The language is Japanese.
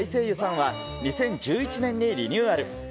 湯さんは、２０１１年にリニューアル。